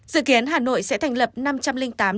dự kiến hà nội sẽ thành lập